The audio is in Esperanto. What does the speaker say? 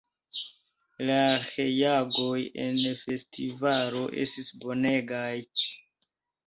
La reagoj en festivalo estis bonegaj!